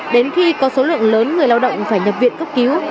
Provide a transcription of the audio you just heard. đến khi có số lượng lớn người lao động phải nhập viện cấp cứu